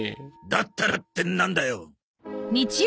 「だったら」ってなんだよ！